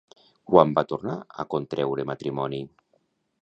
Quan va tornar a contreure matrimoni?